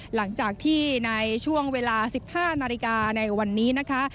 หลังจากที่ในช่วงเวลา๑๕นาฬิกาในวันนี้นะคะ